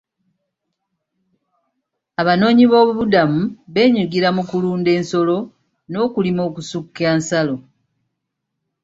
Abanoonyi b'obubudamu beenyigira mu kulunda ensolo n'okulima okusukka nsalo.